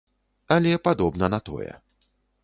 Але падобна на тое.